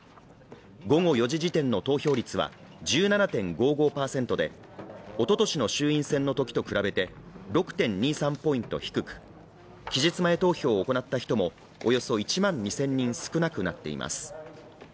午後４時時点の投票率は１７．５５％で、おととしの衆院選のときと比べて６．２３ポイント低く、期日前投票を行った人もおよそ１万２０００人少なくなっています。